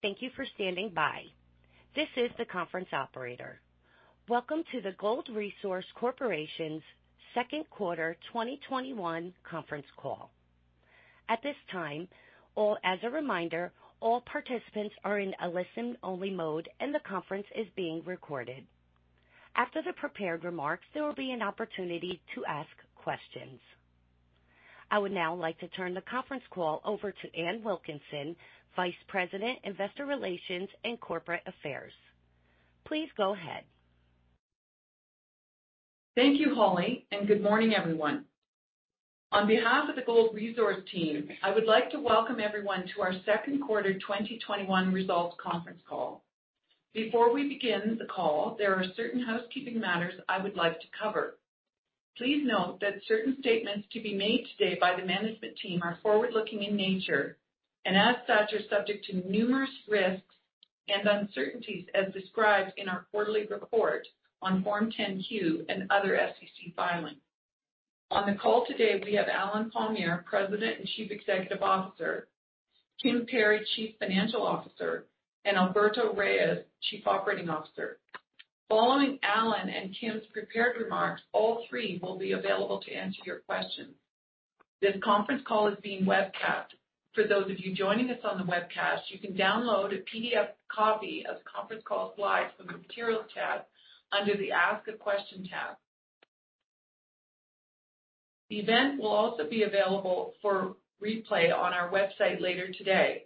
Thank you for standing by. This is the conference operator. Welcome to the Gold Resource Corporation's Second Quarter 2021 Conference Call. At this time, as a reminder, all participants are in a listen-only mode, and the conference is being recorded. After the prepared remarks, there will be an opportunity to ask questions. I would now like to turn the conference call over to Ann Wilkinson, Vice President, Investor Relations and Corporate Affairs. Please go ahead. Thank you, Holly, and good morning, everyone. On behalf of the Gold Resource team, I would like to welcome everyone to our Second Quarter 2021 Results Conference Call. Before we begin the call, there are certain housekeeping matters I would like to cover. Please note that certain statements to be made today by the management team are forward-looking in nature and, as such, are subject to numerous risks and uncertainties as described in our quarterly report on Form 10-Q and other SEC filings. On the call today, we have Allen Palmiere, President and Chief Executive Officer; Kim Perry, Chief Financial Officer; and Alberto Reyes, Chief Operating Officer. Following Allen and Kim's prepared remarks, all three will be available to answer your questions. This conference call is being webcast. For those of you joining us on the webcast, you can download a PDF copy of the conference call slides from the Materials tab under the Ask a Question tab. The event will also be available for replay on our website later today.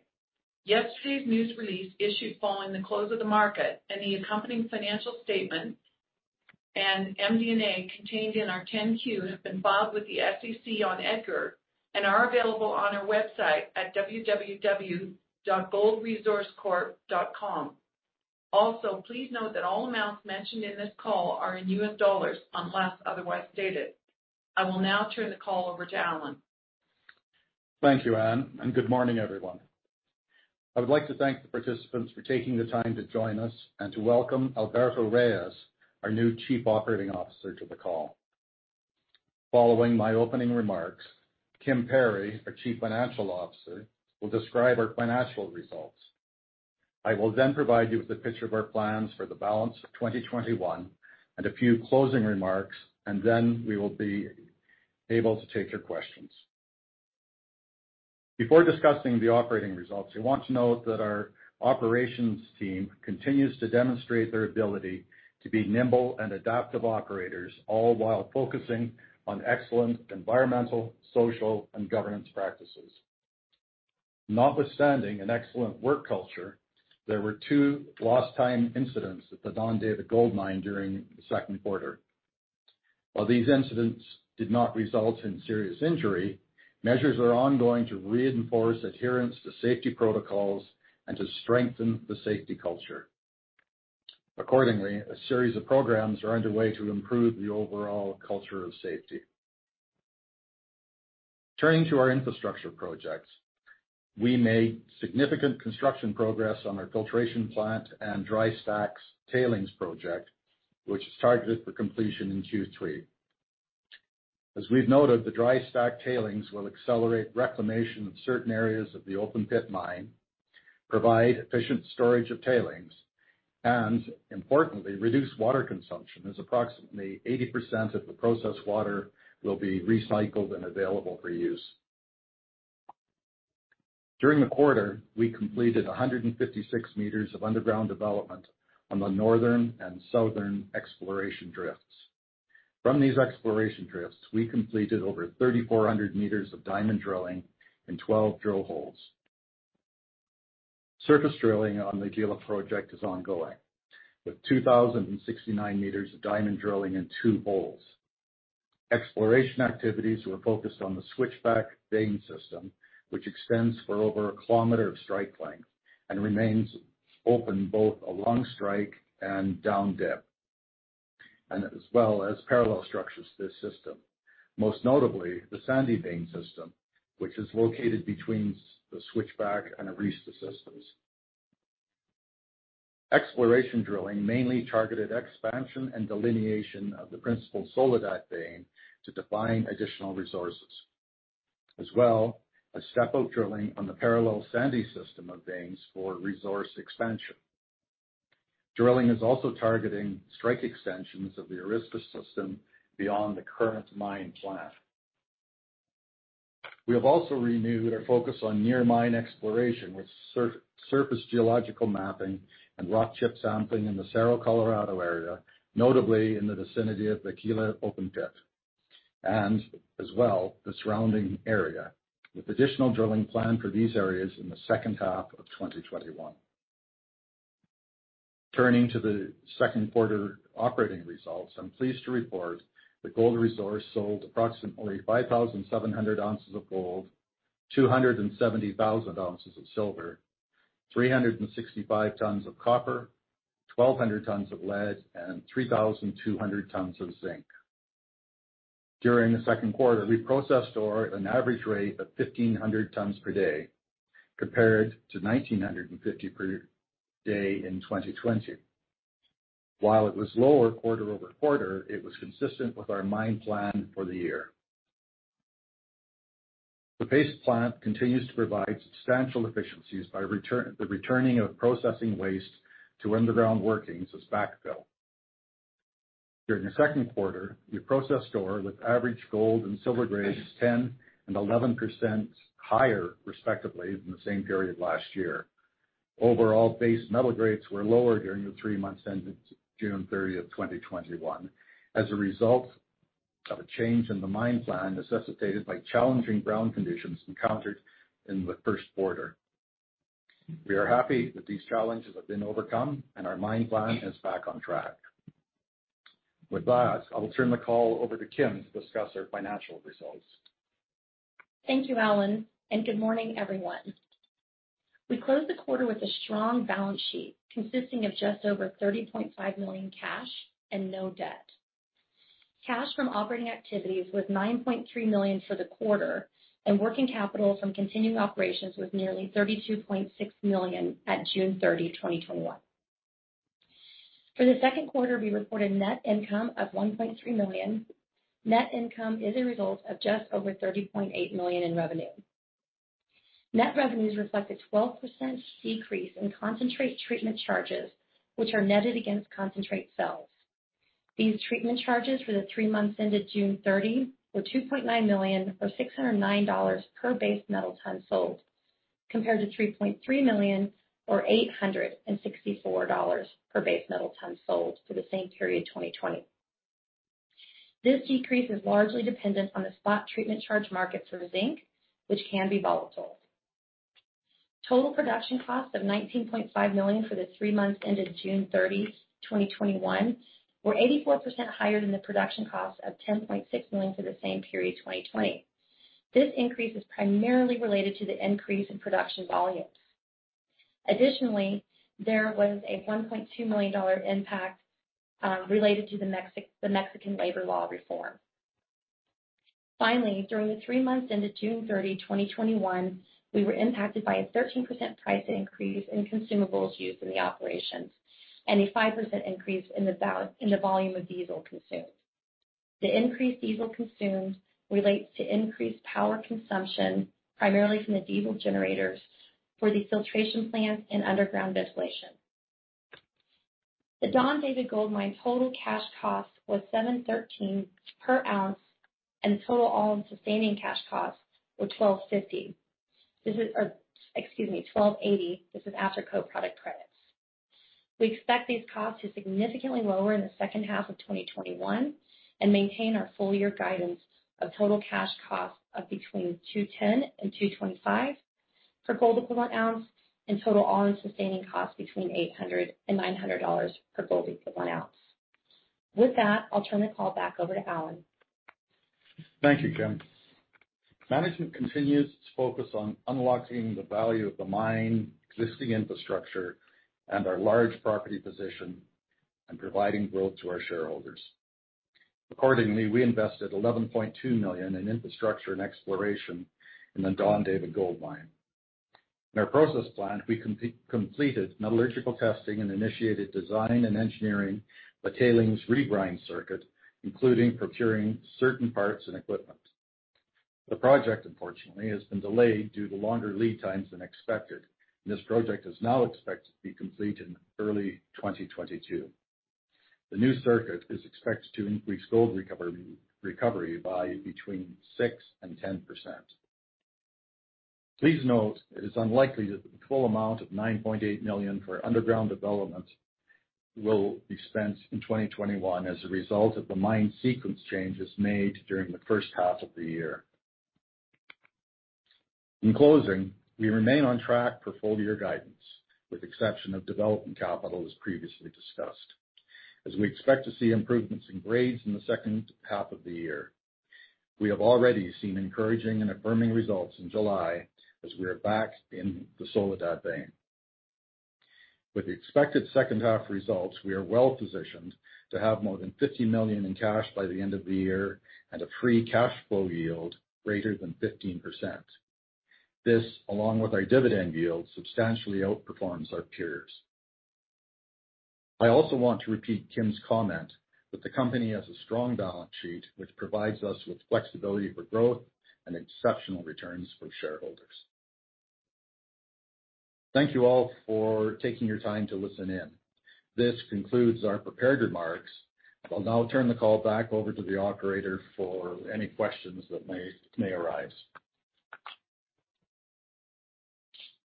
Yesterday's news release, issued following the close of the market, and the accompanying financial statements and MD&A contained in our 10-Q have been filed with the SEC on EDGAR and are available on our website at www.goldresourcecorp.com. Also, please note that all amounts mentioned in this call are in US dollars unless otherwise stated. I will now turn the call over to Allen. Thank you, Ann, and good morning, everyone. I would like to thank the participants for taking the time to join us and to welcome Alberto Reyes, our new Chief Operating Officer, to the call. Following my opening remarks, Kim Perry, our Chief Financial Officer, will describe our financial results. I will then provide you with a picture of our plans for the balance of 2021 and a few closing remarks, and then we will be able to take your questions. Before discussing the operating results, I want to note that our operations team continues to demonstrate their ability to be nimble and adaptive operators, all while focusing on excellent environmental, social, and governance practices. Notwithstanding an excellent work culture, there were two lost-time incidents at the Don David Gold Mine during the second quarter. While these incidents did not result in serious injury, measures are ongoing to reinforce adherence to safety protocols and to strengthen the safety culture. Accordingly, a series of programs are underway to improve the overall culture of safety. Turning to our infrastructure projects, we made significant construction progress on our filtration plant and dry stack tailings project, which is targeted for completion in Q3. As we've noted, the dry stack tailings will accelerate reclamation of certain areas of the open-pit mine, provide efficient storage of tailings, and, importantly, reduce water consumption, as approximately 80% of the processed water will be recycled and available for use. During the quarter, we completed 156 meters of underground development on the northern and southern exploration drifts. From these exploration drifts, we completed over 3,400 meters of diamond drilling in 12 drill holes. Surface drilling on the Gila project is ongoing, with 2,069 meters of diamond drilling in two holes. Exploration activities were focused on the Switchback vein system, which extends for over a kilometer of strike length and remains open both along strike and down dip, as well as parallel structures to this system, most notably the Sandy vein system, which is located between the Switchback and Arista systems. Exploration drilling mainly targeted expansion and delineation of the principal Soledad vein to define additional resources, as well as step-up drilling on the parallel Sandy system of veins for resource expansion. Drilling is also targeting strike extensions of the Arista system beyond the current mine plant. We have also renewed our focus on near-mine exploration with surface geological mapping and rock chip sampling in the Cerro Colorado area, notably in the vicinity of Aquila Open Pit, and as well the surrounding area, with additional drilling planned for these areas in the second half of 2021. Turning to the second quarter operating results, I'm pleased to report that Gold Resource sold approximately 5,700 ounces of gold, 270,000 ounces of silver, 365 tons of copper, 1,200 tons of lead, and 3,200 tons of zinc. During the second quarter, we processed ore at an average rate of 1,500 tons per day, compared to 1,950 per day in 2020. While it was lower quarter over quarter, it was consistent with our mine plan for the year. The PACE plant continues to provide substantial efficiencies by the returning of processing waste to underground workings as backfill. During the second quarter, we processed ore with average gold and silver grades 10% and 11% higher, respectively, than the same period last year. Overall, base metal grades were lower during the three months ended June 30, 2021, as a result of a change in the mine plan necessitated by challenging ground conditions encountered in the first quarter. We are happy that these challenges have been overcome, and our mine plan is back on track. With that, I will turn the call over to Kim to discuss our financial results. Thank you, Allen, and good morning, everyone. We closed the quarter with a strong balance sheet consisting of just over $30.5 million cash and no debt. Cash from operating activities was $9.3 million for the quarter, and working capital from continuing operations was nearly $32.6 million at June 30, 2021. For the second quarter, we reported net income of $1.3 million. Net income is a result of just over $30.8 million in revenue. Net revenues reflect a 12% decrease in concentrate treatment charges, which are netted against concentrate sales. These treatment charges for the three months ended June 30 were $2.9 million or $609 per base metal ton sold, compared to $3.3 million or $864 per base metal ton sold for the same period 2020. This decrease is largely dependent on the spot treatment charge market for zinc, which can be volatile. Total production costs of $19.5 million for the three months ended June 30, 2021, were 84% higher than the production costs of $10.6 million for the same period 2020. This increase is primarily related to the increase in production volumes. Additionally, there was a $1.2 million impact related to the Mexican labor law reform. Finally, during the three months ended June 30, 2021, we were impacted by a 13% price increase in consumables used in the operations and a 5% increase in the volume of diesel consumed. The increased diesel consumed relates to increased power consumption, primarily from the diesel generators for the filtration plants and underground ventilation. The Don David Gold Mine total cash cost was $713 per ounce, and the total all-in sustaining cash costs were $1,280. This is after co-product credits. We expect these costs to significantly lower in the second half of 2021 and maintain our full-year guidance of total cash costs of between $210 and $225 per gold equivalent ounce and total all-in sustaining costs between $800 and $900 per gold equivalent ounce. With that, I'll turn the call back over to Allen. Thank you, Kim. Management continues to focus on unlocking the value of the mine, existing infrastructure, and our large property position, and providing growth to our shareholders. Accordingly, we invested $11.2 million in infrastructure and exploration in the Don David Gold Mine. In our process plan, we completed metallurgical testing and initiated design and engineering of a tailings regrind circuit, including procuring certain parts and equipment. The project, unfortunately, has been delayed due to longer lead times than expected, and this project is now expected to be complete in early 2022. The new circuit is expected to increase gold recovery by between 6% and 10%. Please note it is unlikely that the full amount of $9.8 million for underground development will be spent in 2021 as a result of the mine sequence changes made during the first half of the year. In closing, we remain on track for full-year guidance, with the exception of development capital, as previously discussed, as we expect to see improvements in grades in the second half of the year. We have already seen encouraging and affirming results in July as we are back in the Soledad vein. With the expected second-half results, we are well-positioned to have more than $50 million in cash by the end of the year and a free cash flow yield greater than 15%. This, along with our dividend yield, substantially outperforms our peers. I also want to repeat Kim's comment that the company has a strong balance sheet, which provides us with flexibility for growth and exceptional returns for shareholders. Thank you all for taking your time to listen in. This concludes our prepared remarks. I'll now turn the call back over to the operator for any questions that may arise.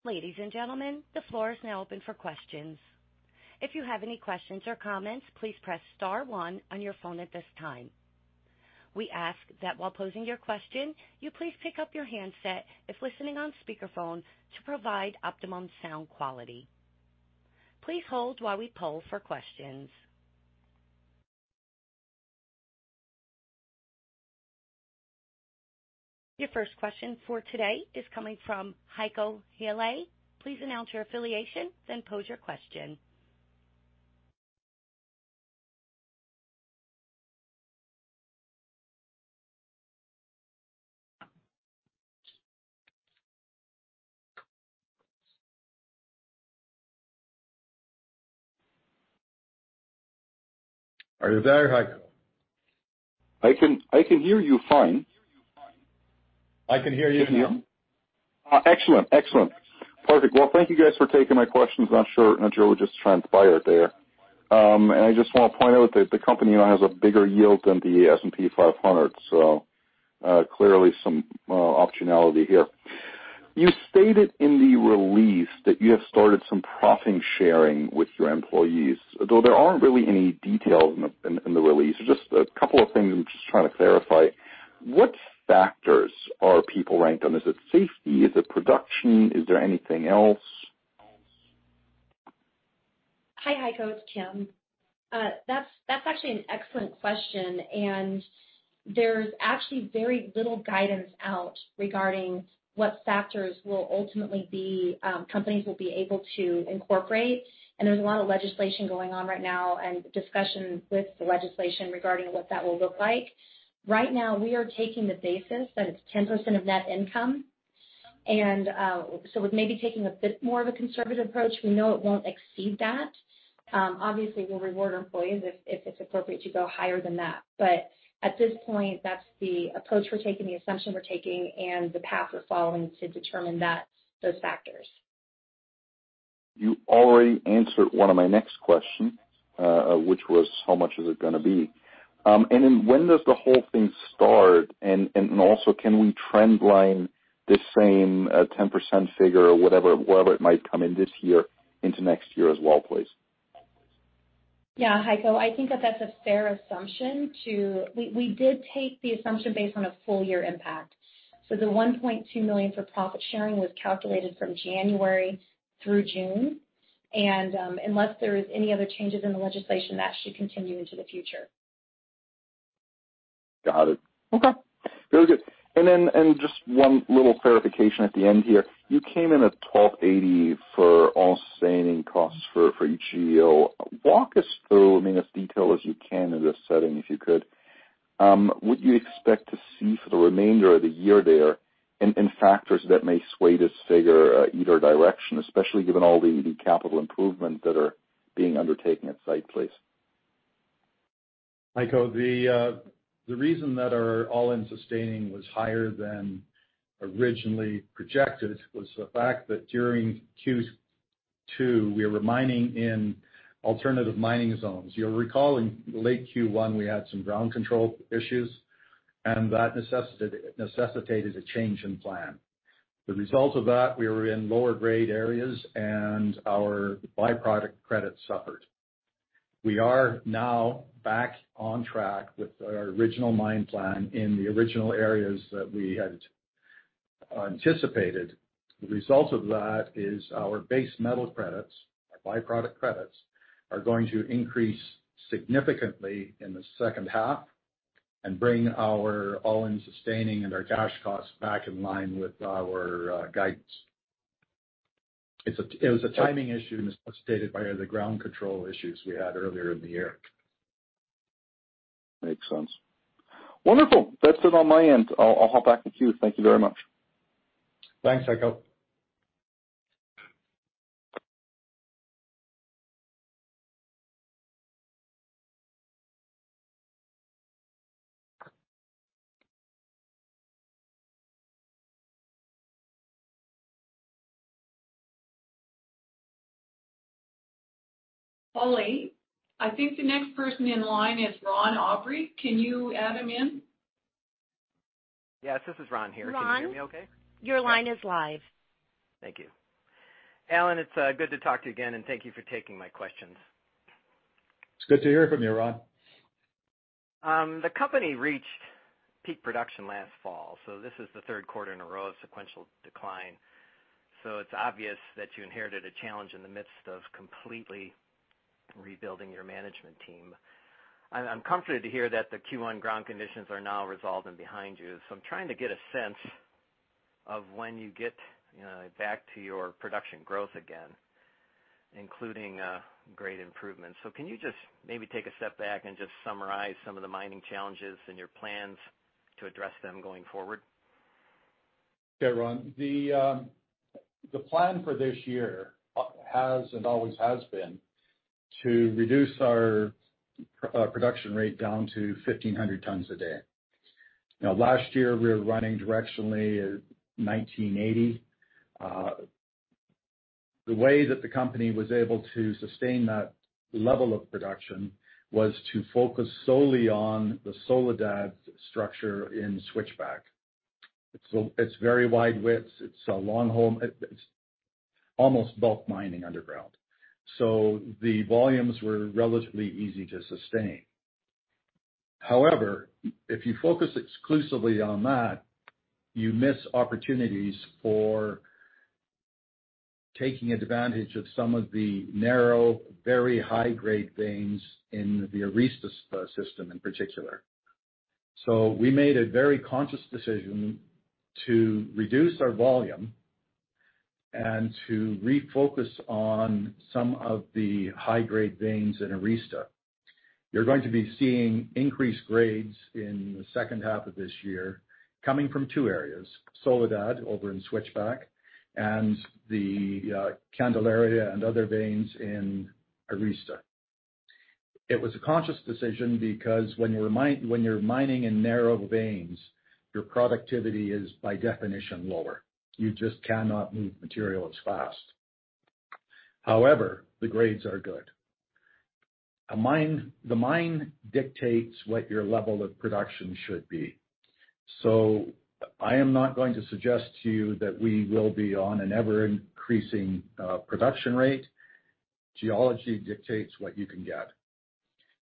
Ladies and gentlemen, the floor is now open for questions. If you have any questions or comments, please press star one on your phone at this time. We ask that while posing your question, you please pick up your handset if listening on speakerphone to provide optimum sound quality. Please hold while we poll for questions. Your first question for today is coming from Heiko Ihle. Please announce your affiliation, then pose your question. Are you there, Heiko? I can hear you fine. I can hear you now. Excellent. Excellent. Perfect. Thank you, guys, for taking my questions. I'm not sure it just transpired there. I just want to point out that the company now has a bigger yield than the S&P 500, so clearly some optionality here. You stated in the release that you have started some profit-sharing with your employees, though there aren't really any details in the release. Just a couple of things I'm just trying to clarify. What factors are people ranked on? Is it safety? Is it production? Is there anything else? Hi, Heiko. It's Kim. That's actually an excellent question, and there's actually very little guidance out regarding what factors companies will be able to incorporate. There's a lot of legislation going on right now and discussion with the legislation regarding what that will look like. Right now, we are taking the basis that it's 10% of net income. We are maybe taking a bit more of a conservative approach. We know it won't exceed that. Obviously, we'll reward employees if it's appropriate to go higher than that. At this point, that's the approach we're taking, the assumption we're taking, and the path we're following to determine those factors. You already answered one of my next questions, which was, how much is it going to be? When does the whole thing start? Also, can we trendline the same 10% figure, whatever it might come in this year, into next year as well, please? Yeah, Heiko. I think that that's a fair assumption too. We did take the assumption based on a full-year impact. So the $1.2 million for profit-sharing was calculated from January through June, and unless there are any other changes in the legislation, that should continue into the future. Got it. Okay. Very good. Just one little clarification at the end here. You came in at $1,280 for all sustaining costs for each year. Walk us through, I mean, as detailed as you can in this setting, if you could. What do you expect to see for the remainder of the year there in factors that may sway this figure either direction, especially given all the capital improvements that are being undertaken at site, please? Heiko, the reason that our all-in sustaining was higher than originally projected was the fact that during Q2, we were mining in alternative mining zones. You'll recall in late Q1, we had some ground control issues, and that necessitated a change in plan. The result of that, we were in lower-grade areas, and our byproduct credits suffered. We are now back on track with our original mine plan in the original areas that we had anticipated. The result of that is our base metal credits, our byproduct credits, are going to increase significantly in the second half and bring our all-in sustaining and our cash costs back in line with our guidance. It was a timing issue necessitated by the ground control issues we had earlier in the year. Makes sense. Wonderful. That's it on my end. I'll hop back with you. Thank you very much. Thanks, Heiko. Holly. I think the next person in line is Ron Aubrey. Can you add him in? Yes. This is Ron here. Can you hear me okay? Ron, your line is live. Thank you. Allen, it's good to talk to you again, and thank you for taking my questions. It's good to hear from you, Ron. The company reached peak production last fall, so this is the third quarter in a row of sequential decline. It is obvious that you inherited a challenge in the midst of completely rebuilding your management team. I'm comforted to hear that the Q1 ground conditions are now resolved and behind you. I'm trying to get a sense of when you get back to your production growth again, including grade improvements. Can you just maybe take a step back and summarize some of the mining challenges and your plans to address them going forward? Okay, Ron. The plan for this year has and always has been to reduce our production rate down to 1,500 tons a day. Now, last year, we were running directionally at 1,980. The way that the company was able to sustain that level of production was to focus solely on the Soledad structure in Switchback. It's very wide width. It's a long-hole. It's almost bulk mining underground. So the volumes were relatively easy to sustain. However, if you focus exclusively on that, you miss opportunities for taking advantage of some of the narrow, very high-grade veins in the Arista system in particular. We made a very conscious decision to reduce our volume and to refocus on some of the high-grade veins in Arista. You're going to be seeing increased grades in the second half of this year coming from two areas: Soledad over in Switchback and the Candelaria and other veins in Arista. It was a conscious decision because when you're mining in narrow veins, your productivity is, by definition, lower. You just cannot move material as fast. However, the grades are good. The mine dictates what your level of production should be. I am not going to suggest to you that we will be on an ever-increasing production rate. Geology dictates what you can get.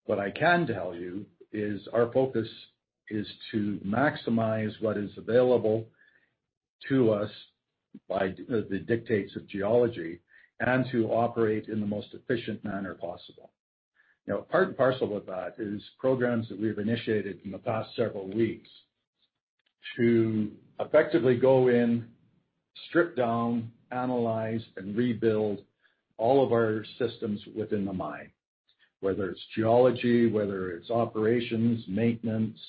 What I can tell you is our focus is to maximize what is available to us by the dictates of geology and to operate in the most efficient manner possible. Now, part and parcel with that is programs that we have initiated in the past several weeks to effectively go in, strip down, analyze, and rebuild all of our systems within the mine, whether it's geology, whether it's operations, maintenance,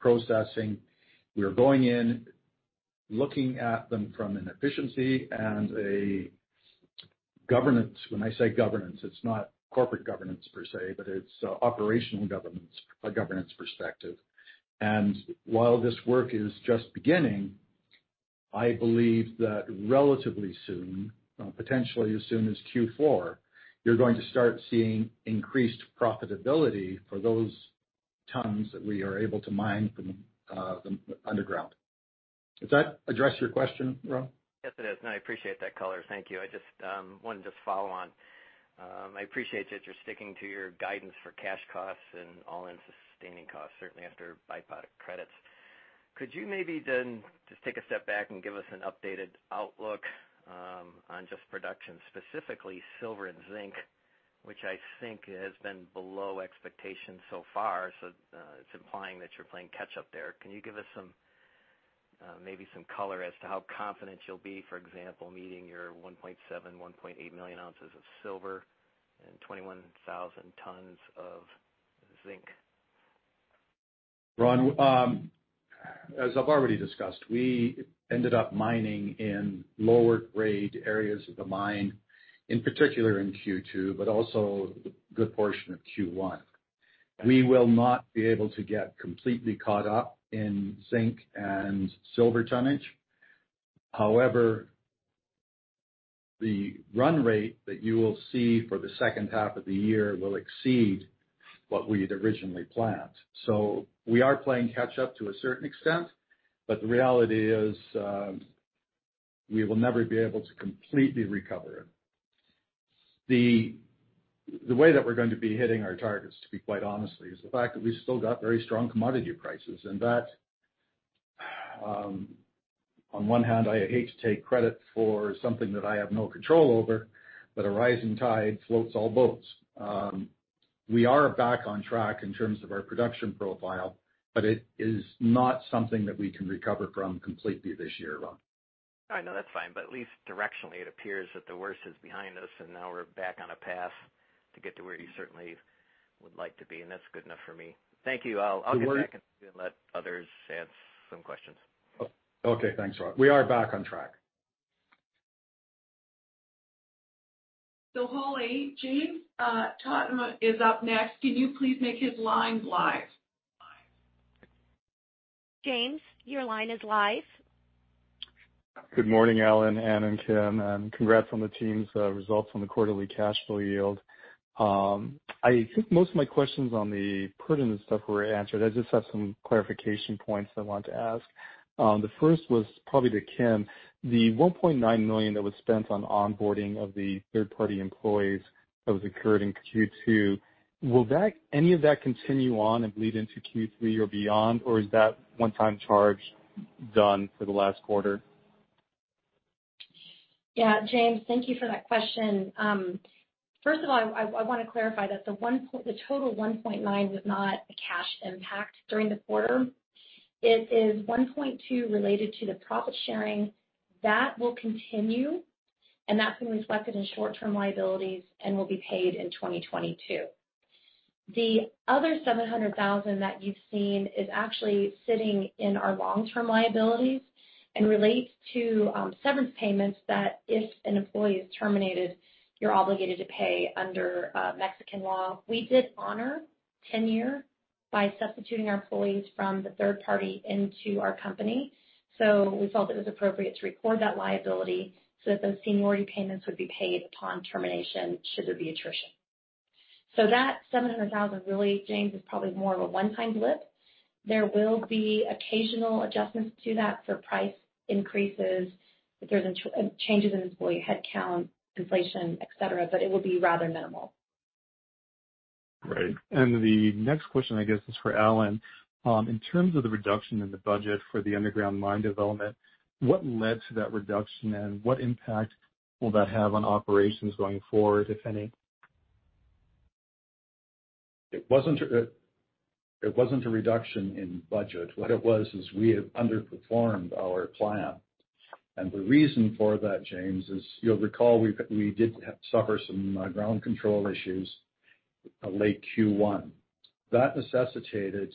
processing. We are going in, looking at them from an efficiency and a governance. When I say governance, it's not corporate governance per se, but it's operational governance from a governance perspective. While this work is just beginning, I believe that relatively soon, potentially as soon as Q4, you're going to start seeing increased profitability for those tons that we are able to mine from the underground. Does that address your question, Ron? Yes, it does. I appreciate that color. Thank you. I just wanted to just follow on. I appreciate that you're sticking to your guidance for cash costs and all-in sustaining costs, certainly after byproduct credits. Could you maybe then just take a step back and give us an updated outlook on just production, specifically silver and zinc, which I think has been below expectations so far? It is implying that you're playing catch-up there. Can you give us maybe some color as to how confident you'll be, for example, meeting your 1.7, 1.8 million ounces of silver and 21,000 tons of zinc? Ron, as I've already discussed, we ended up mining in lower-grade areas of the mine, in particular in Q2, but also a good portion of Q1. We will not be able to get completely caught up in zinc and silver tonnage. However, the run rate that you will see for the second half of the year will exceed what we had originally planned. We are playing catch-up to a certain extent, but the reality is we will never be able to completely recover it. The way that we're going to be hitting our targets, to be quite honest, is the fact that we've still got very strong commodity prices. That, on one hand, I hate to take credit for something that I have no control over, but a rising tide floats all boats. We are back on track in terms of our production profile, but it is not something that we can recover from completely this year, Ron. I know that's fine, but at least directionally, it appears that the worst is behind us, and now we're back on a path to get to where you certainly would like to be. That's good enough for me. Thank you. I'll get back and let others ask some questions. Okay. Thanks, Ron. We are back on track. Holly, James Totten is up next. Can you please make his line live? James, your line is live. Good morning, Allen, Ann and Kim. Congrats on the team's results on the quarterly cash flow yield. I think most of my questions on the pertinent stuff were answered. I just have some clarification points I wanted to ask. The first was probably to Kim. The $1.9 million that was spent on onboarding of the third-party employees that was occurring in Q2, will any of that continue on and lead into Q3 or beyond, or is that one-time charge done for the last quarter? Yeah, James, thank you for that question. First of all, I want to clarify that the total $1.9 million was not a cash impact during the quarter. It is $1.2 million related to the profit-sharing that will continue, and that's been reflected in short-term liabilities and will be paid in 2022. The other $700,000 that you've seen is actually sitting in our long-term liabilities and relates to severance payments that if an employee is terminated, you're obligated to pay under Mexican law. We did honor tenure by substituting our employees from the third party into our company. We felt it was appropriate to record that liability so that those seniority payments would be paid upon termination should there be attrition. That $700,000, really, James, is probably more of a one-time blip. There will be occasional adjustments to that for price increases if there's changes in employee headcount, inflation, etc., but it will be rather minimal. Right. The next question, I guess, is for Allen. In terms of the reduction in the budget for the underground mine development, what led to that reduction, and what impact will that have on operations going forward, if any? It wasn't a reduction in budget. What it was is we had underperformed our plan. The reason for that, James, is you'll recall we did suffer some ground control issues late Q1. That necessitated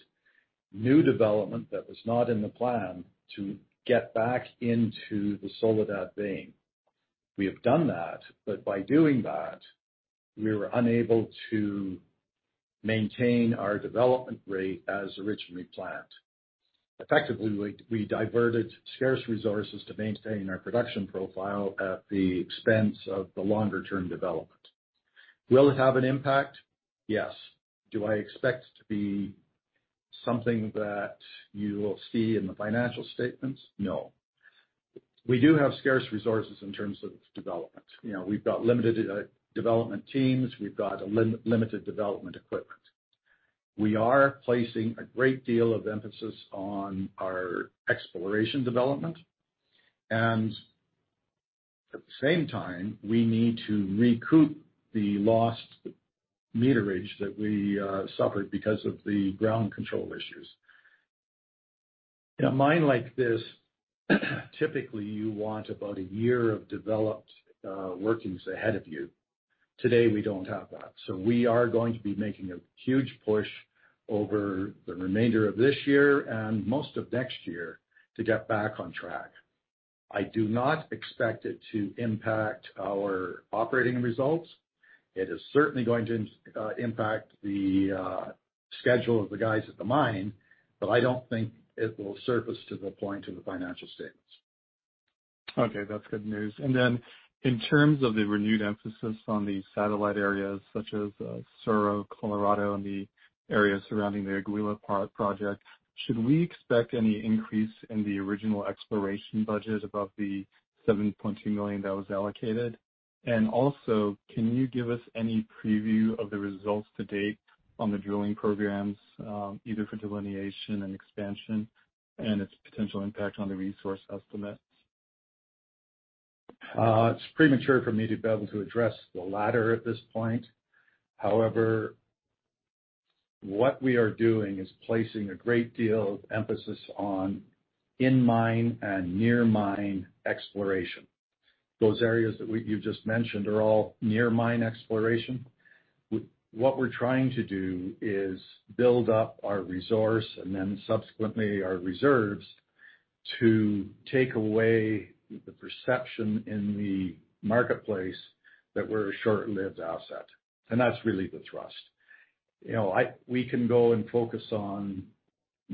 new development that was not in the plan to get back into the Soledad vein. We have done that, but by doing that, we were unable to maintain our development rate as originally planned. Effectively, we diverted scarce resources to maintain our production profile at the expense of the longer-term development. Will it have an impact? Yes. Do I expect it to be something that you will see in the financial statements? No. We do have scarce resources in terms of development. We've got limited development teams. We've got limited development equipment. We are placing a great deal of emphasis on our exploration development. At the same time, we need to recoup the lost meterage that we suffered because of the ground control issues. In a mine like this, typically, you want about a year of developed workings ahead of you. Today, we do not have that. We are going to be making a huge push over the remainder of this year and most of next year to get back on track. I do not expect it to impact our operating results. It is certainly going to impact the schedule of the guys at the mine, but I do not think it will surface to the point of the financial statements. Okay. That's good news. In terms of the renewed emphasis on the satellite areas such as Cerro Colorado and the area surrounding the Aguila Park project, should we expect any increase in the original exploration budget above the $7.2 million that was allocated? Also, can you give us any preview of the results to date on the drilling programs, either for delineation and expansion, and its potential impact on the resource estimates? It's premature for me to be able to address the latter at this point. However, what we are doing is placing a great deal of emphasis on in-mine and near-mine exploration. Those areas that you've just mentioned are all near-mine exploration. What we're trying to do is build up our resource and then subsequently our reserves to take away the perception in the marketplace that we're a short-lived asset. That is really the thrust. We can go and focus on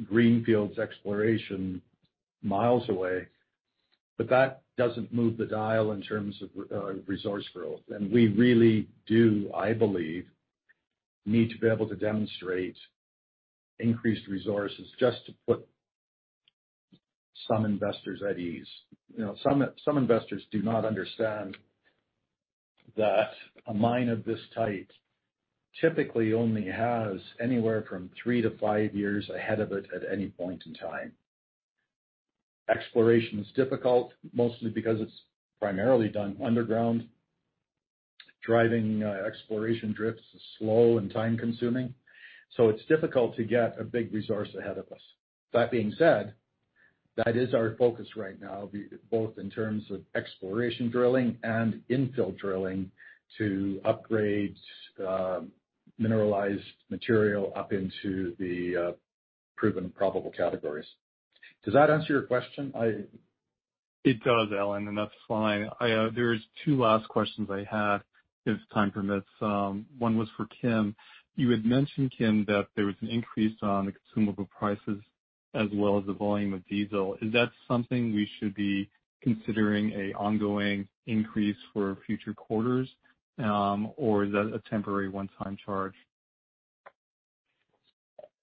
greenfields exploration miles away, but that does not move the dial in terms of resource growth. We really do, I believe, need to be able to demonstrate increased resources just to put some investors at ease. Some investors do not understand that a mine of this type typically only has anywhere from three to five years ahead of it at any point in time. Exploration is difficult, mostly because it's primarily done underground. Driving exploration drifts is slow and time-consuming. It's difficult to get a big resource ahead of us. That being said, that is our focus right now, both in terms of exploration drilling and infill drilling to upgrade mineralized material up into the proven and probable categories. Does that answer your question? It does, Allen, and that's fine. There are two last questions I have, if time permits. One was for Kim. You had mentioned, Kim, that there was an increase on the consumable prices as well as the volume of diesel. Is that something we should be considering an ongoing increase for future quarters, or is that a temporary one-time charge?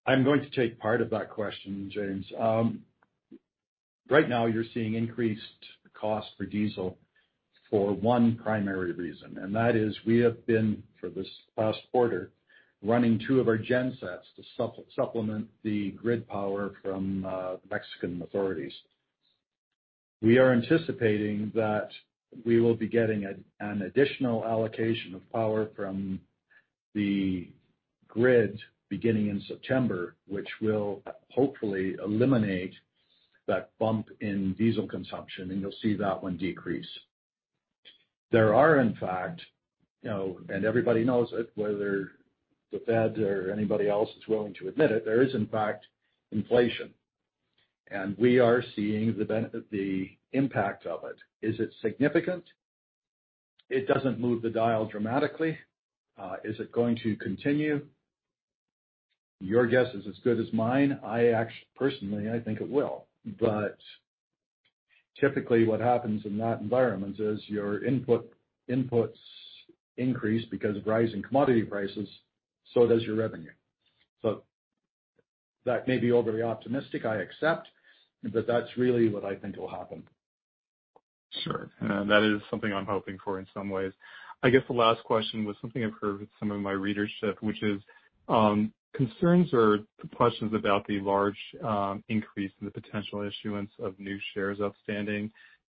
I'm going to take part of that question, James. Right now, you're seeing increased costs for diesel for one primary reason. That is we have been, for this past quarter, running two of our gensets to supplement the grid power from Mexican authorities. We are anticipating that we will be getting an additional allocation of power from the grid beginning in September, which will hopefully eliminate that bump in diesel consumption, and you'll see that one decrease. There are, in fact, and everybody knows it, whether the Fed or anybody else is willing to admit it, there is, in fact, inflation. We are seeing the impact of it. Is it significant? It doesn't move the dial dramatically. Is it going to continue? Your guess is as good as mine. Personally, I think it will. Typically, what happens in that environment is your inputs increase because of rising commodity prices, so does your revenue. That may be overly optimistic. I accept, but that's really what I think will happen. Sure. That is something I'm hoping for in some ways. I guess the last question was something I've heard with some of my readership, which is concerns or questions about the large increase in the potential issuance of new shares outstanding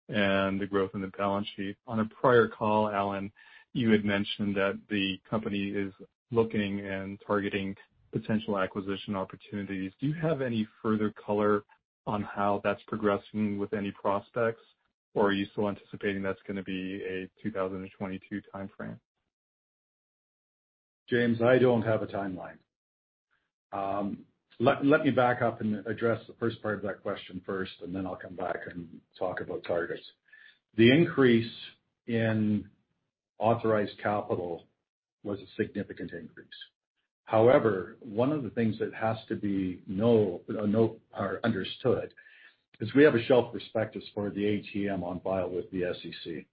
and the growth in the balance sheet. On a prior call, Allen, you had mentioned that the company is looking and targeting potential acquisition opportunities. Do you have any further color on how that's progressing with any prospects, or are you still anticipating that's going to be a 2022 timeframe? James, I don't have a timeline. Let me back up and address the first part of that question first, and then I'll come back and talk about targets. The increase in authorized capital was a significant increase. However, one of the things that has to be understood is we have a shelf prospectus for the ATM on file with the SEC.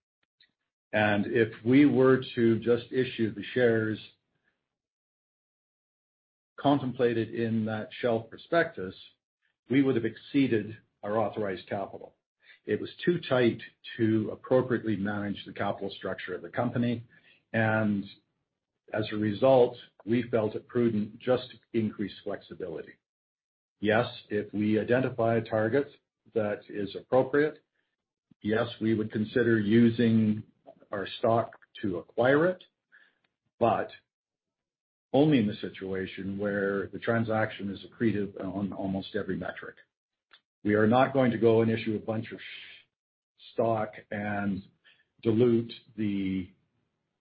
If we were to just issue the shares contemplated in that shelf prospectus, we would have exceeded our authorized capital. It was too tight to appropriately manage the capital structure of the company. As a result, we felt it prudent just to increase flexibility. Yes, if we identify a target that is appropriate, yes, we would consider using our stock to acquire it, but only in the situation where the transaction is accretive on almost every metric. We are not going to go and issue a bunch of stock and dilute the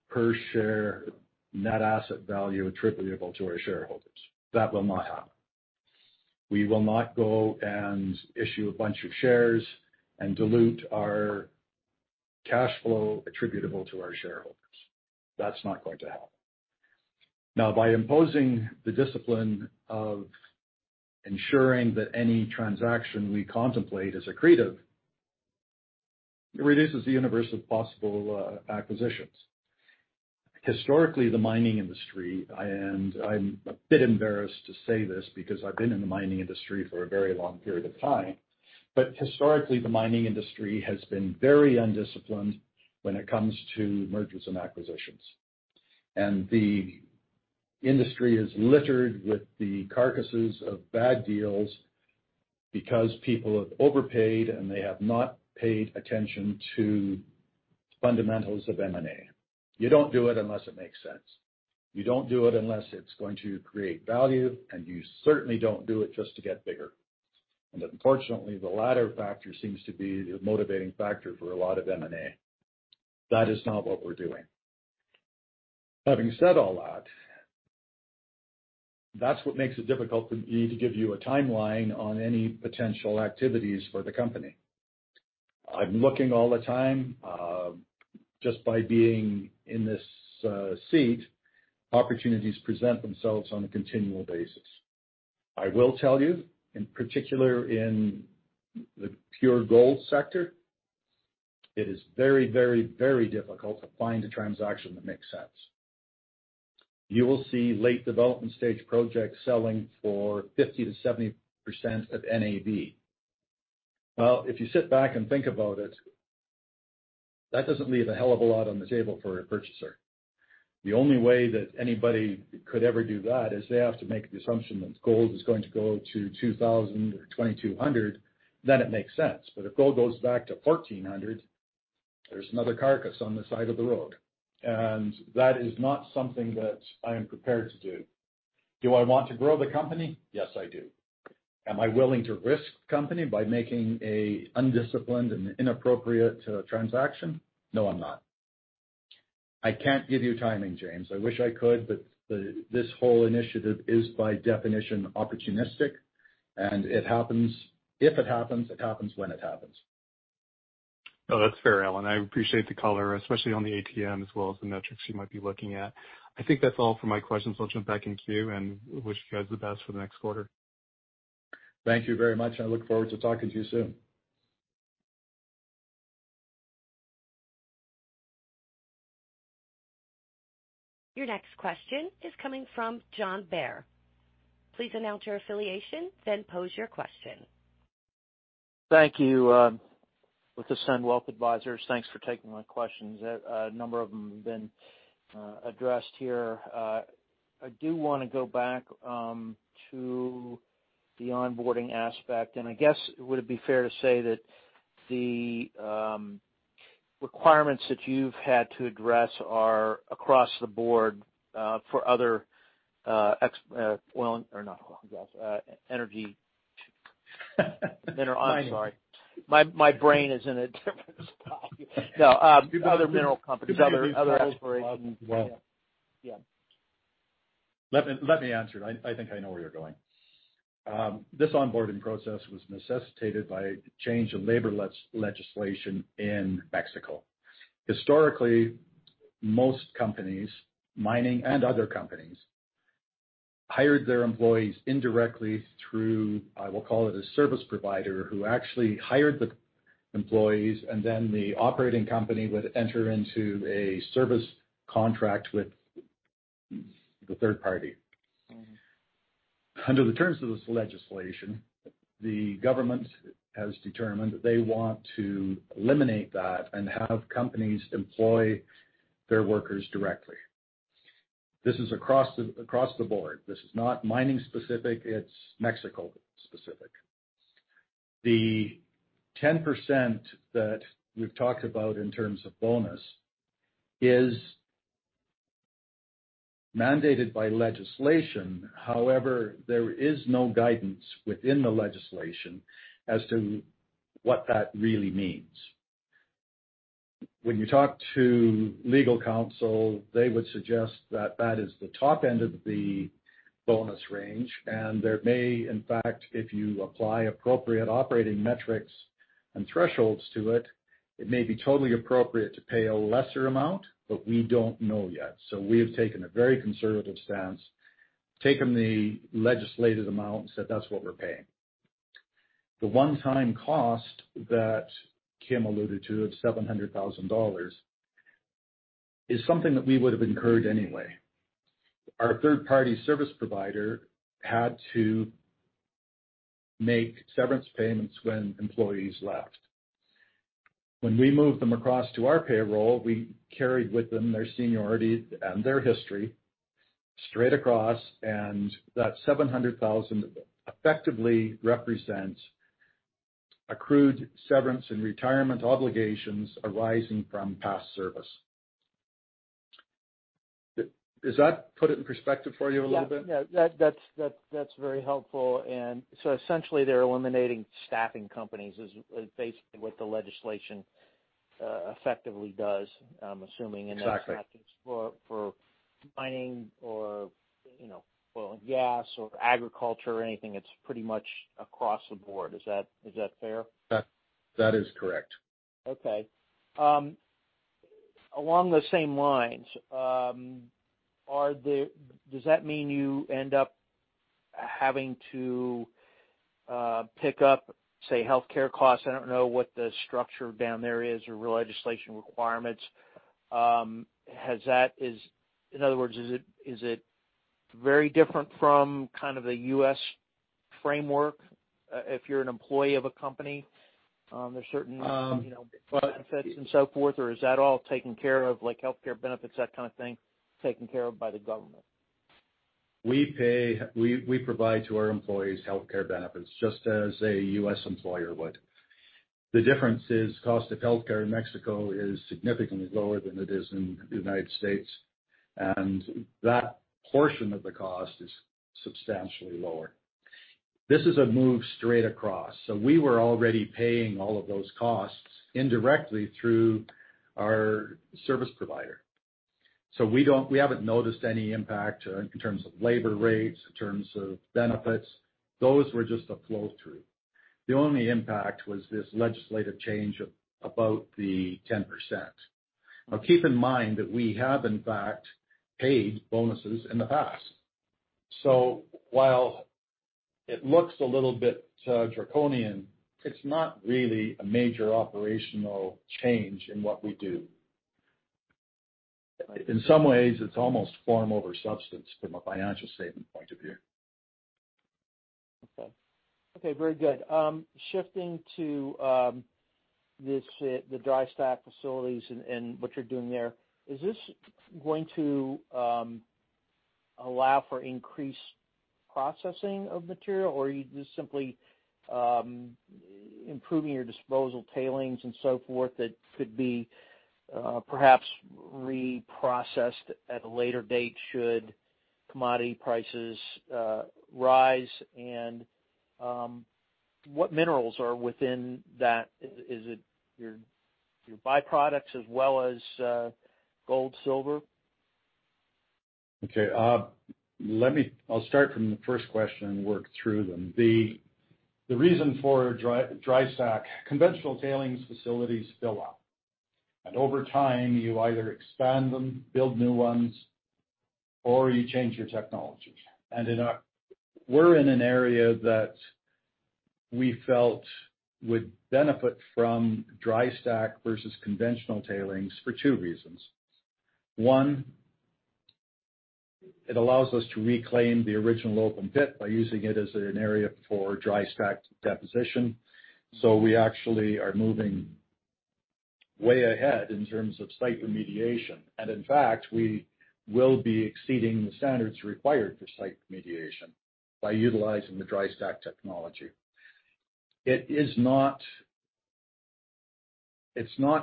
per-share net asset value attributable to our shareholders. That will not happen. We will not go and issue a bunch of shares and dilute our cash flow attributable to our shareholders. That's not going to happen. Now, by imposing the discipline of ensuring that any transaction we contemplate is accretive, it reduces the universe of possible acquisitions. Historically, the mining industry—I am a bit embarrassed to say this because I have been in the mining industry for a very long period of time—historically, the mining industry has been very undisciplined when it comes to mergers and acquisitions. The industry is littered with the carcasses of bad deals because people have overpaid, and they have not paid attention to fundamentals of M&A. You do not do it unless it makes sense. You don't do it unless it's going to create value, and you certainly don't do it just to get bigger. Unfortunately, the latter factor seems to be the motivating factor for a lot of M&A. That is not what we're doing. Having said all that, that's what makes it difficult for me to give you a timeline on any potential activities for the company. I'm looking all the time. Just by being in this seat, opportunities present themselves on a continual basis. I will tell you, in particular in the pure gold sector, it is very, very, very difficult to find a transaction that makes sense. You will see late development stage projects selling for 50-70% of NAV. If you sit back and think about it, that doesn't leave a hell of a lot on the table for a purchaser. The only way that anybody could ever do that is they have to make the assumption that gold is going to go to $2,000 or $2,200, then it makes sense. If gold goes back to $1,400, there is another carcass on the side of the road. That is not something that I am prepared to do. Do I want to grow the company? Yes, I do. Am I willing to risk the company by making an undisciplined and inappropriate transaction? No, I am not. I cannot give you timing, James. I wish I could, but this whole initiative is, by definition, opportunistic. If it happens, it happens when it happens. No, that's fair, Allen. I appreciate the color, especially on the ATM as well as the metrics you might be looking at. I think that's all for my questions. I'll jump back in queue and wish you guys the best for the next quarter. Thank you very much. I look forward to talking to you soon. Your next question is coming from John Bair. Please announce your affiliation, then pose your question. Thank you. With Ascend Wealth Advisors, thanks for taking my questions. A number of them have been addressed here. I do want to go back to the onboarding aspect. I guess, would it be fair to say that the requirements that you've had to address are across the board for other, or not across the board, energy mineral—I'm sorry. My brain is in a different spot. No, other mineral companies, other exploration. Yeah. Let me answer it. I think I know where you're going. This onboarding process was necessitated by a change in labor legislation in Mexico. Historically, most companies, mining and other companies, hired their employees indirectly through, I will call it a service provider who actually hired the employees, and then the operating company would enter into a service contract with the third party. Under the terms of this legislation, the government has determined that they want to eliminate that and have companies employ their workers directly. This is across the board. This is not mining specific. It's Mexico specific. The 10% that we've talked about in terms of bonus is mandated by legislation. However, there is no guidance within the legislation as to what that really means. When you talk to legal counsel, they would suggest that that is the top end of the bonus range. There may, in fact, if you apply appropriate operating metrics and thresholds to it, it may be totally appropriate to pay a lesser amount, but we do not know yet. We have taken a very conservative stance, taken the legislated amount, and said, "That's what we're paying." The one-time cost that Kim alluded to of $700,000 is something that we would have incurred anyway. Our third-party service provider had to make severance payments when employees left. When we moved them across to our payroll, we carried with them their seniority and their history straight across. That $700,000 effectively represents accrued severance and retirement obligations arising from past service. Does that put it in perspective for you a little bit? Yeah. Yeah. That's very helpful. Essentially, they're eliminating staffing companies is basically what the legislation effectively does, I'm assuming, in that context for mining or oil and gas or agriculture or anything. It's pretty much across the board. Is that fair? That is correct. Okay. Along the same lines, does that mean you end up having to pick up, say, healthcare costs? I don't know what the structure down there is or legislation requirements. In other words, is it very different from kind of the U.S. framework if you're an employee of a company? There's certain benefits and so forth, or is that all taken care of, like healthcare benefits, that kind of thing, taken care of by the government? We provide to our employees healthcare benefits just as a U.S. employer would. The difference is cost of healthcare in Mexico is significantly lower than it is in the United States. That portion of the cost is substantially lower. This is a move straight across. We were already paying all of those costs indirectly through our service provider. We have not noticed any impact in terms of labor rates, in terms of benefits. Those were just a flow-through. The only impact was this legislative change about the 10%. Now, keep in mind that we have, in fact, paid bonuses in the past. While it looks a little bit draconian, it is not really a major operational change in what we do. In some ways, it is almost form over substance from a financial statement point of view. Okay. Okay. Very good. Shifting to the dry stack facilities and what you're doing there, is this going to allow for increased processing of material, or are you just simply improving your disposal tailings and so forth that could be perhaps reprocessed at a later date should commodity prices rise? What minerals are within that? Is it your byproducts as well as gold, silver? Okay. I'll start from the first question and work through them. The reason for dry stack, conventional tailings facilities fill up. Over time, you either expand them, build new ones, or you change your technologies. We are in an area that we felt would benefit from dry stack versus conventional tailings for two reasons. One, it allows us to reclaim the original open pit by using it as an area for dry stack deposition. We actually are moving way ahead in terms of site remediation. In fact, we will be exceeding the standards required for site remediation by utilizing the dry stack technology. It's not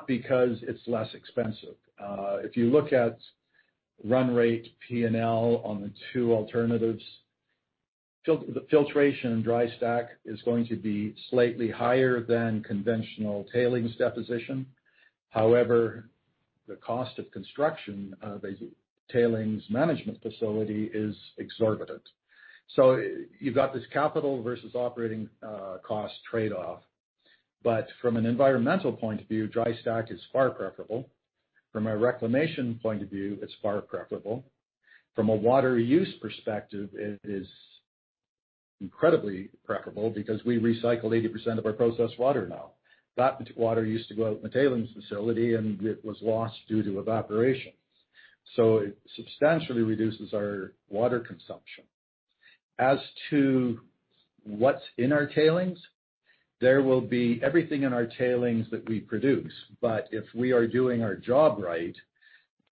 because it's less expensive. If you look at run rate, P&L on the two alternatives, filtration and dry stack is going to be slightly higher than conventional tailings deposition. However, the cost of construction of a tailings management facility is exorbitant. You have this capital versus operating cost trade-off. From an environmental point of view, dry stack is far preferable. From a reclamation point of view, it is far preferable. From a water use perspective, it is incredibly preferable because we recycle 80% of our processed water now. That water used to go out in the tailings facility, and it was lost due to evaporation. It substantially reduces our water consumption. As to what is in our tailings, there will be everything in our tailings that we produce. If we are doing our job right,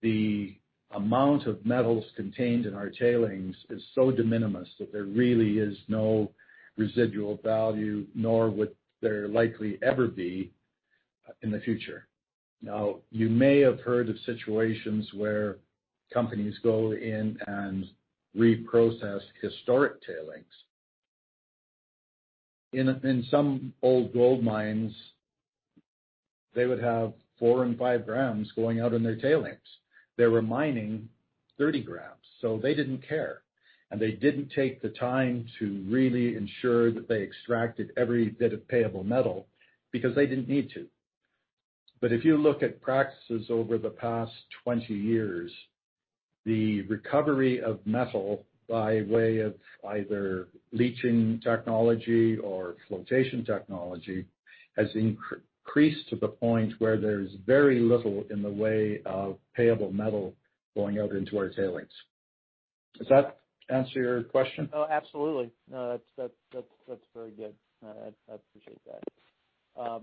the amount of metals contained in our tailings is so de minimis that there really is no residual value, nor would there likely ever be in the future. You may have heard of situations where companies go in and reprocess historic tailings. In some old gold mines, they would have 4 and 5 grams going out in their tailings. They were mining 30 grams. They did not care. They did not take the time to really ensure that they extracted every bit of payable metal because they did not need to. If you look at practices over the past 20 years, the recovery of metal by way of either leaching technology or flotation technology has increased to the point where there is very little in the way of payable metal going out into our tailings. Does that answer your question? Oh, absolutely. No, that's very good. I appreciate that.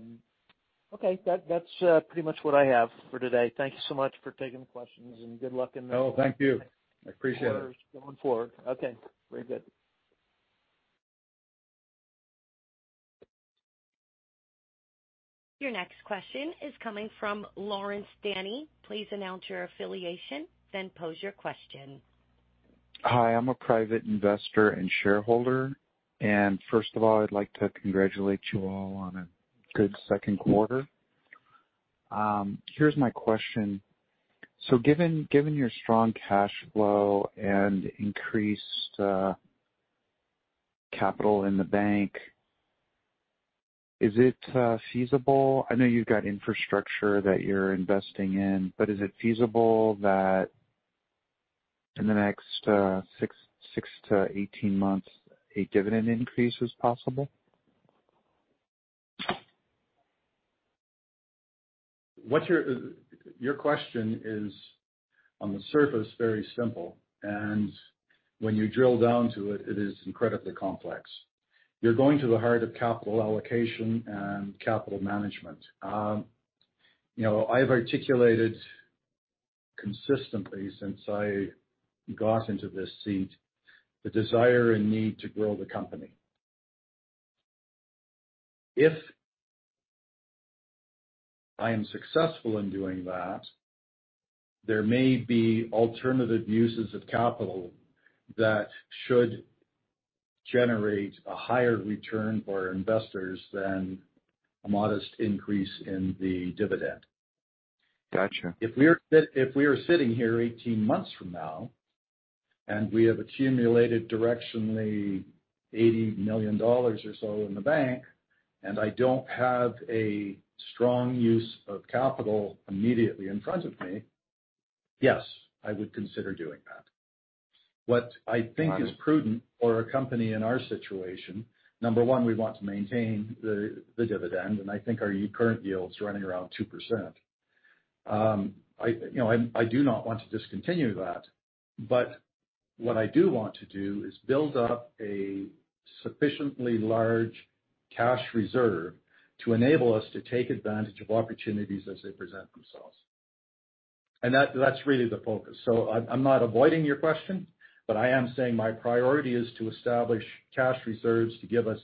Okay. That's pretty much what I have for today. Thank you so much for taking the questions. Thank you and good luck in the. Oh, thank you. I appreciate it. As far as going forward. Okay. Very good. Your next question is coming from Lawrence Danny. Please announce your affiliation, then pose your question. Hi. I'm a private investor and shareholder. First of all, I'd like to congratulate you all on a good second quarter. Here's my question. Given your strong cash flow and increased capital in the bank, is it feasible? I know you've got infrastructure that you're investing in, but is it feasible that in the next 6 to 18 months, a dividend increase is possible? Your question is, on the surface, very simple. When you drill down to it, it is incredibly complex. You're going to the heart of capital allocation and capital management. I've articulated consistently since I got into this seat the desire and need to grow the company. If I am successful in doing that, there may be alternative uses of capital that should generate a higher return for investors than a modest increase in the dividend. If we are sitting here 18 months from now and we have accumulated directionally $80 million or so in the bank, and I don't have a strong use of capital immediately in front of me, yes, I would consider doing that. What I think is prudent for a company in our situation, number one, we want to maintain the dividend. I think our current yield is running around 2%. I do not want to discontinue that. What I do want to do is build up a sufficiently large cash reserve to enable us to take advantage of opportunities as they present themselves. That is really the focus. I am not avoiding your question, but I am saying my priority is to establish cash reserves to give us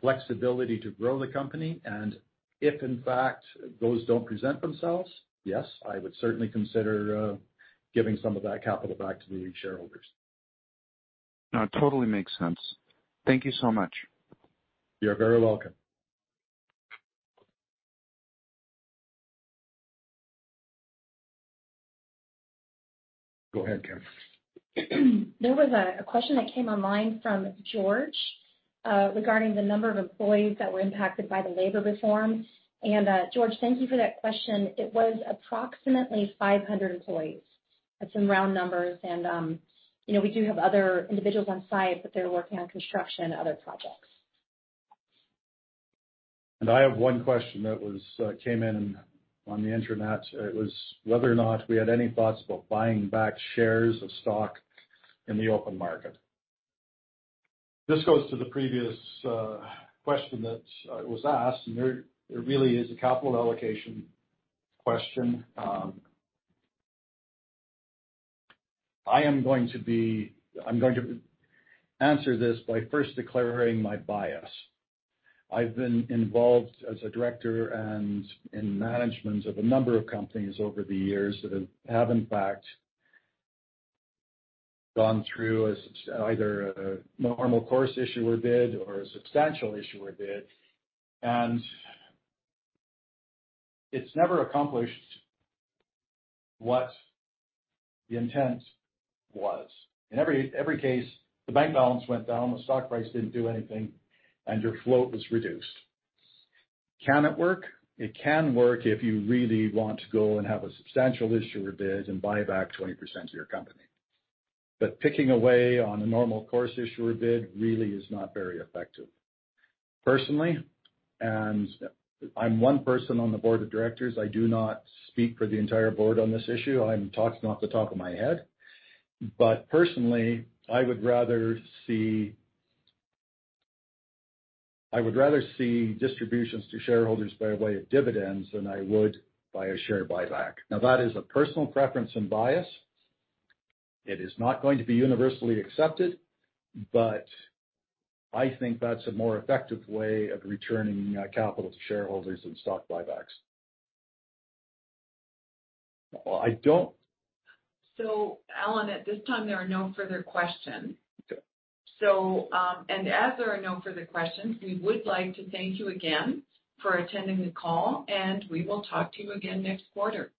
flexibility to grow the company. If, in fact, those do not present themselves, yes, I would certainly consider giving some of that capital back to the shareholders. No, it totally makes sense. Thank you so much. You're very welcome. Go ahead, Kim. There was a question that came online from George regarding the number of employees that were impacted by the labor reform. George, thank you for that question. It was approximately 500 employees. That is some round numbers. We do have other individuals on site, but they are working on construction and other projects. I have one question that came in on the internet. It was whether or not we had any thoughts about buying back shares of stock in the open market. This goes to the previous question that was asked. There really is a capital allocation question. I am going to answer this by first declaring my bias. I've been involved as a director and in management of a number of companies over the years that have, in fact, gone through either a normal course issuer bid or a substantial issuer bid. It's never accomplished what the intent was. In every case, the bank balance went down, the stock price did not do anything, and your float was reduced. Can it work? It can work if you really want to go and have a substantial issuer bid and buy back 20% of your company. Picking away on a normal course issuer bid really is not very effective. Personally, and I'm one person on the board of directors. I do not speak for the entire board on this issue. I'm talking off the top of my head. Personally, I would rather see distributions to shareholders by way of dividends than I would by a share buyback. That is a personal preference and bias. It is not going to be universally accepted, but I think that's a more effective way of returning capital to shareholders than stock buybacks. I don't. Alan, at this time, there are no further questions. As there are no further questions, we would like to thank you again for attending the call, and we will talk to you again next quarter.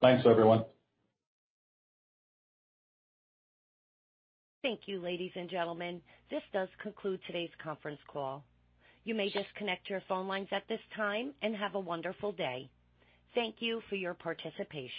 Thanks, everyone. Thank you, ladies and gentlemen. This does conclude today's conference call. You may disconnect your phone lines at this time and have a wonderful day. Thank you for your participation.